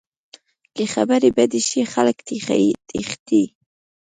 که خبرې بدې شي، خلک تښتي